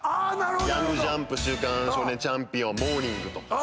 『ヤングジャンプ』『週刊少年チャンピオン』『モーニング』とか。